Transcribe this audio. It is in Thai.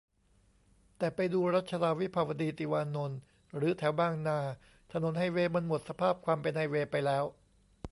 แต่ไปดูรัชดา วิภาวดี ติวานนท์ หรือแถวบางนา ถนนไฮเวย์มันหมดสภาพความเป็นไฮเวย์ไปแล้ว